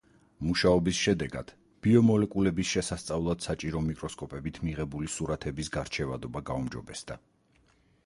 მუშაობის შედეგად, ბიომოლეკულების შესასწავლად საჭირო მიკროსკოპებით მიღებული სურათების გარჩევადობა გაუმჯობესდა.